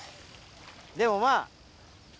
でもまぁ。